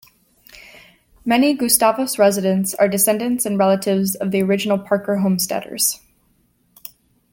Many Gustavus residents are descendants and relatives of the original Parker homesteaders.